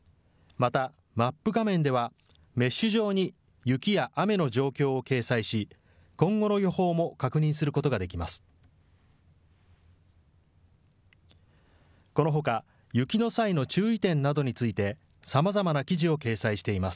また、マップ画面では、メッシュ状に雪や雨の状況を掲載し、今後の予報も確認することができます。